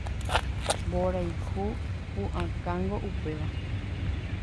Mborayhu pu'akángo upéva